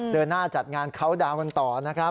เดินหน้าจัดงานเขาดาวนกันต่อนะครับ